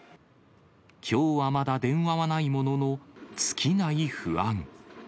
きょうはまだ電話はないものの、尽きない不安。